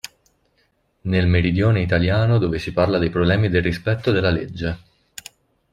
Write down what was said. Nel meridione italiano dove si parla dei problemi del rispetto della legge.